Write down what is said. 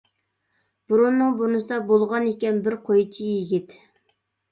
بۇرۇننىڭ بۇرۇنىسىدا بولغان ئىكەن بىر قويچى يىگىت.